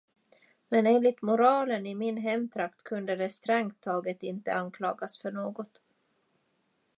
Men enligt moralen i min hemtrakt kunde de strängt taget inte anklagas för något.